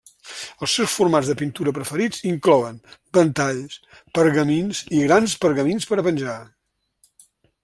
Els seus formats de pintura preferits inclouen ventalls, pergamins i grans pergamins per a penjar.